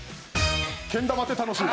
けん玉って楽しい。